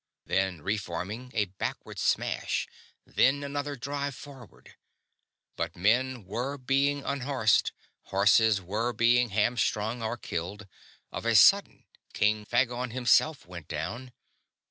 Then, re forming, a backward smash; then another drive forward. But men were being unhorsed; horses were being hamstrung or killed; of a sudden king Phagon himself went down.